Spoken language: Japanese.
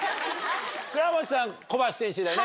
倉持さん小橋選手だよね